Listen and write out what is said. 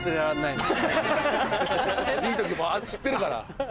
いい時も知ってるから。